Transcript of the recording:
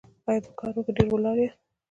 ایا په کار کې ډیر ولاړ یاست؟